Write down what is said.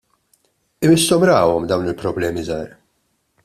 Imisshom rawhom dawn il-problemi żgħar.